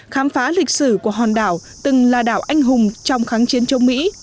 khám phá lịch sử của hòn đảo từng là đảo anh hùng trong kháng chiến chống mỹ